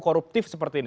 koruptif seperti ini